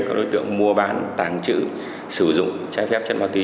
các đối tượng mua bán tàng trữ sử dụng trái phép chất ma túy